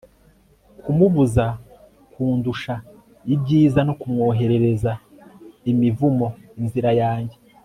kumubuza kundusha ibyiza no kumwoherereza imivumo inzira yanjye